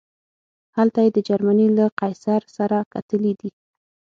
هلته یې د جرمني له قیصر سره کتلي دي.